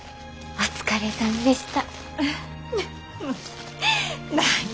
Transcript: お疲れさまでした！